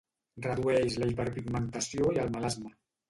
Redueix la hiperpigmentació i el melasma